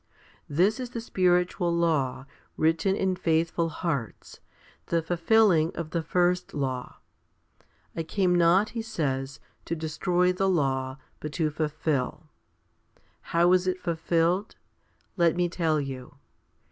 5 This is the spiritual law, written in faithful hearts, the fulfilling of the first law. 6 I came not, He says, to destroy the law, but to fulfil. 7 How is it fulfilled? Let me tell you.